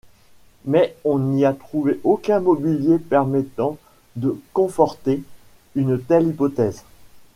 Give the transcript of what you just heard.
Mais on n'y a trouvé aucun mobilier permettant de conforter une telle hypothèse.